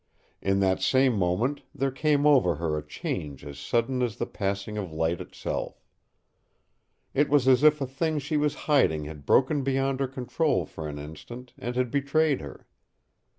In that same moment there came over her a change as sudden as the passing of light itself. It was as if a thing she was hiding had broken beyond her control for an instant and had betrayed her.